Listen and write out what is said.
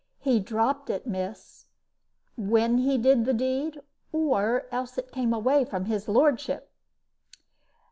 He dropped it, miss, when he did the deed, or else it came away from his lordship."